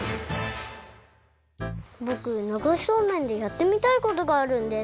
ぼく流しそうめんでやってみたいことがあるんです。